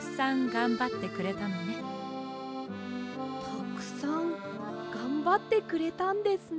たくさんがんばってくれたんですね。